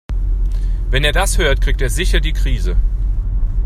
Wenn er das hört, kriegt er sicher die Krise.